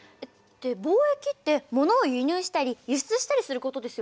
貿易ってものを輸入したり輸出したりすることですよね。